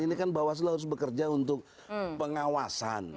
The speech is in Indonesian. ini kan bawah seluruh harus bekerja untuk pengawasan